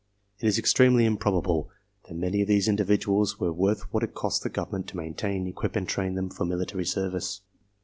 It is extremely im probable that many of these individuals were worth what it cost the government to maintain, equip and train them for^ military service.